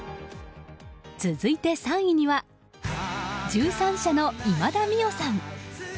続いて３位には１３社の今田美桜さん。